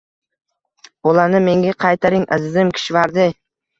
Bolani menga qaytaring, azizim Kishvardi.